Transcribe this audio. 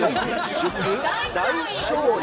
祝大勝利。